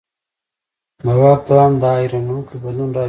د واک دوام دا حیرانوونکی بدلون راوستی.